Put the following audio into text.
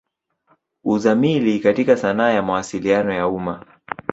Uzamili katika sanaa ya Mawasiliano ya umma.